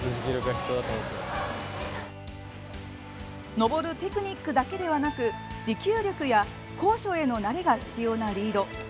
登るテクニックだけでなく持久力や高所への慣れが必要なリード。